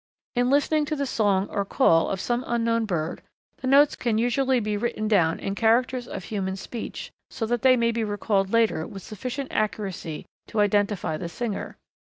In listening to the song or call of some unknown bird, the notes can usually be written down in characters of human speech so that they may be recalled later with sufficient accuracy to identify the singer.